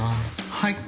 はい。